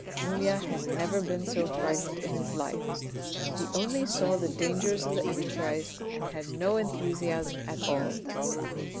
Julien had never been so frightened in his life, he only saw the dangers of the enterprise and had no enthusiasm at all.